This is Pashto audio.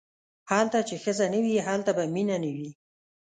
هلته چې ښځه نه وي هلته به مینه نه وي.